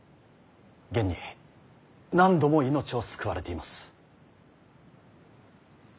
現に何度も命を救われています。